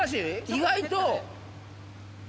意外と。